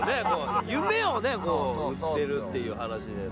夢をね売ってるっていう話ですから。